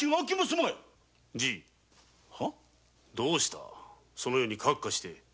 じいどうしたそのようにカッカして？